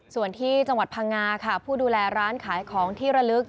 ส่วนที่จังหวัดพังงาค่ะผู้ดูแลร้านขายของที่ระลึก